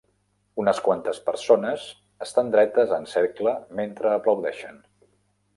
Unes quantes persones estan dretes en cercle mentre aplaudeixen.